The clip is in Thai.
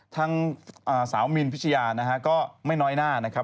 ทางสาวมินพิชยานะฮะก็ไม่น้อยหน้านะครับ